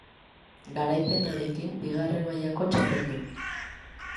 Garaipenarekin bigarren mailako txapeldun.